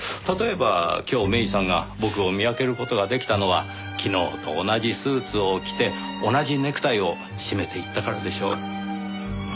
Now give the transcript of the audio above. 例えば今日芽依さんが僕を見分ける事が出来たのは昨日と同じスーツを着て同じネクタイを締めていったからでしょう。